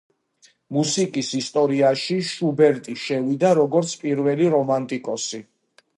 მუსიკის ისტორიაში შუბერტი შევიდა როგორც პირველი რომანტიკოსი.